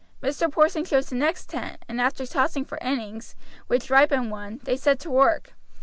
Mr. Porson chose the next ten and after tossing for innings, which Ripon won, they set to work.